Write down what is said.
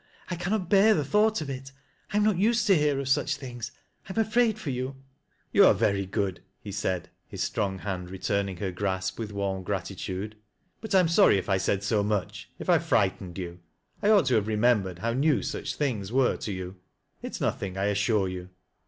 I cannot bear tho thought oi it. I am not used to hear of such things. I am afmid for you." " You are very good," he said, his strong hand return iiig her grasp with warm gratitude. " But I am sorry ] said so much, if I have frightened you. I ought to have remembered hovr new such things were to you. It is noth ing, I assure you."